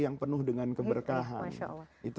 yang penuh dengan keberkahan masya allah